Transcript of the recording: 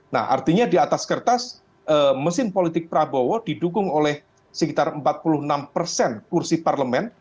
nah artinya di atas kertas mesin politik prabowo didukung oleh sekitar empat puluh enam persen kursi parlemen